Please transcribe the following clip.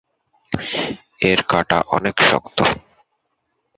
এর কাটা অনেক শক্ত।